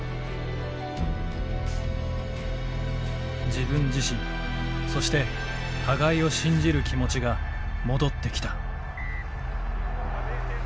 自分自身そして互いを信じる気持ちが戻ってきた。